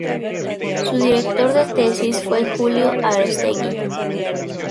Su director de tesis fue Julio Aróstegui.